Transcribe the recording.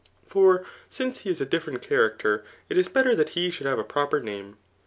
For smce he is a different character^ it is better that hie should have a proper name.